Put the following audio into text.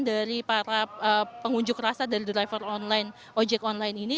dari para pengunjuk rasa dari driver online ojek online ini